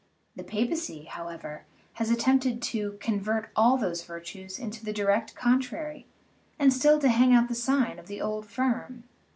The papacy, however, has attempted to convert all those virtues into the direct contrary, and still to hang out the sign of the old firm.